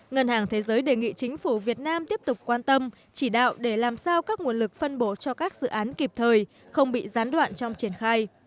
ngân hàng thế giới đề nghị chính phủ việt nam tiếp tục quan tâm chỉ đạo để làm sao các nguồn lực phân bổ cho các dự án kịp thời không bị gián đoạn trong triển khai